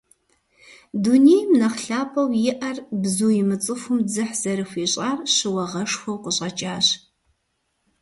Дунейм нэхъ лъапӀэу иӀэр бзу имыцӀыхум дзыхь зэрыхуищӀар щыуагъэшхуэу къыщӀэкӀащ.